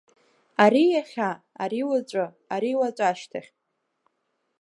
Ари иахьа, ари уаҵәы, ари уаҵәашьҭахь.